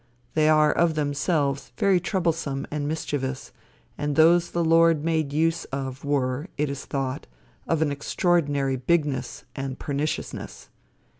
They are of themselves very troublesome and mischievous, and those the Lord made use of were, it is thought, of an extraordinary bigness and perniciousness.